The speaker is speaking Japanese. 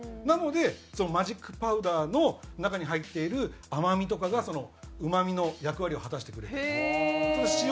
なのでマジックパウダーの中に入っている甘みとかがそのうまみの役割を果たしてくれたり。